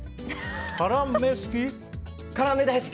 辛め好き？